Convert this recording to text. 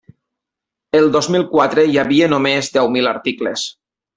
El dos mil quatre hi havia només deu mil articles.